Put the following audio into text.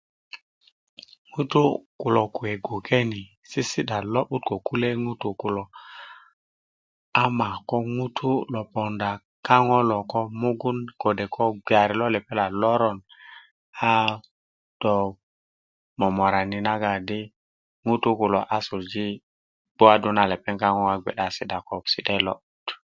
ŋutu kulo kuwe bgoke ni sisi'da a lo'but ko ku'e ŋutu kulo ama ko ŋutu lo ponda kaŋo lo mugun ko de ko bgeyari lo lepeŋ lo a loron a do momorani naga di ŋutu kulo a suluji bguwadu lepeŋ kaŋo a bge a si'da ko si'daet lo lo'but